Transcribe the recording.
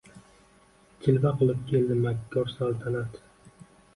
Jilva qilib keldi makkor saltanat